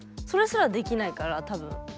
それすらできないから多分。